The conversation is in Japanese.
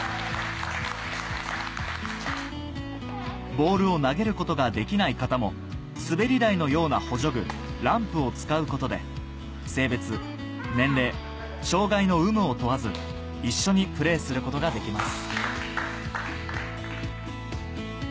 ボールを投げることができない方も滑り台のような補助具ランプを使うことで性別年齢障がいの有無を問わず一緒にプレーすることができます